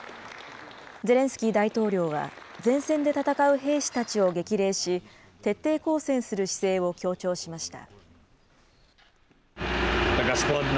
ゼレンスキー大統領は、前線で戦う兵士たちを激励し、徹底抗戦する姿勢を強調しました。